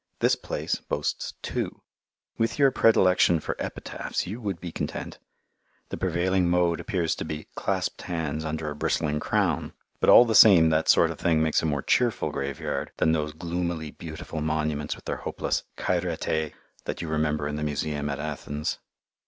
This place boasts two. With your predilection for epitaphs you would be content. The prevailing mode appears to be clasped hands under a bristling crown; but all the same that sort of thing makes a more "cheerful" graveyard than those gloomily beautiful monuments with their hopeless "[Greek: chairete]" that you remember in the museum at Athens.